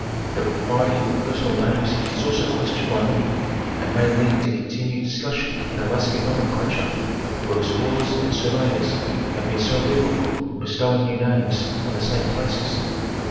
The propriety of personal names is also questioned by many, and may lead to continued discus sion in Alaskan nomenclature, where explorers and surveyors have been so liberal in bestowing new names on the same places.